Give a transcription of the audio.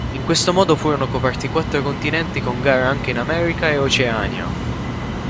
In questo modo furono coperti quattro continenti con gare anche in America e Oceania.